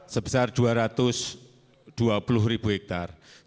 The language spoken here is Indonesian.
sebesar dua ratus dua puluh ribu hektare